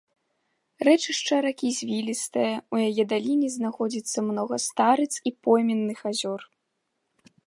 Рэчышча ракі звілістае, у яе даліне знаходзіцца многа старыц і пойменных азёр.